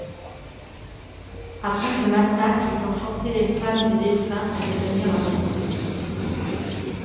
Après ce massacre ils ont forcé les femmes des défunts à devenir leurs épouses.